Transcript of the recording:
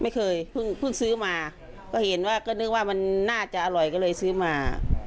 ไม่เคยเพิ่งซื้อมาก็เห็นว่าก็นึกว่ามันน่าจะอร่อยก็เลยซื้อมา